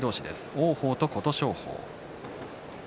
王鵬と琴勝峰。